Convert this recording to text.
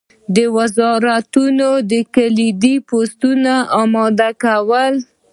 د وزارتونو د کلیدي بستونو اماده کول.